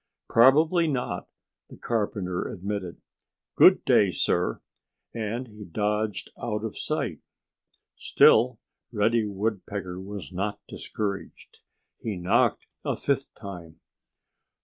"Probably not!" the carpenter admitted. "Good day, sir!" And he dodged out of sight. Still Reddy Woodpecker was not discouraged. He knocked a fifth time.